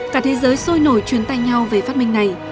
cả thế giới sôi nổi chuyến tay nhau về phát minh này